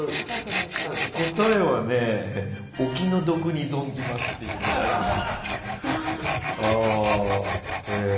答えは、お気の毒に存じますってあります。